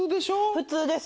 普通です。